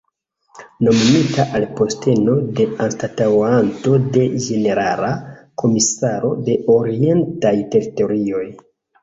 Nomumita al posteno de anstataŭanto de ĝenerala komisaro de Orientaj Teritorioj.